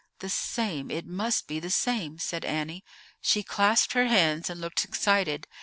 "The same; it must be the same," said Annie. She clasped her hands and looked excited.